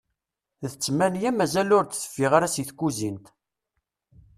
D tmanya mazal ur d-teffiɣ ara seg tkuzint.